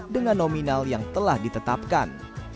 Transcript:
dengan nominal yang telah ditetapkan